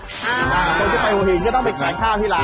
คนที่ไปวีนก็ต้องไปกับขนาดข้าวที่ร้าน